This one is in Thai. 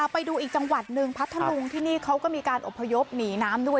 ไปดูอีกจังหวัดหนึ่งพัทธลุงที่นี่เขาก็มีการอบพยพหนีน้ำด้วย